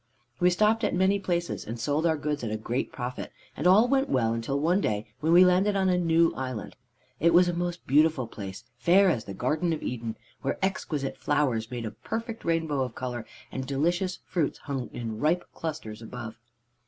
"We stopped at many places, and sold our goods at a great profit, and all went well until one day when we landed on a new island. It was a most beautiful place, fair as the garden of Eden, where exquisite flowers made a perfect rainbow of color and delicious fruits hung in ripe clusters above.